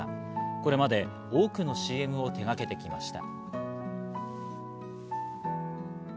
これまで多くのＣＭを手がけてきました。